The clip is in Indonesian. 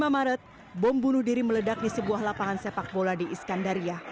dua puluh maret bom bunuh diri meledak di sebuah lapangan sepak bola di iskandaria